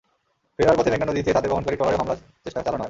ফেরার পথে মেঘনা নদীতে তাঁদের বহনকারী ট্রলারেও হামলার চেষ্টা চালানো হয়।